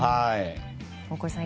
大越さん